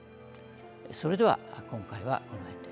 それでは今回はこのへんで。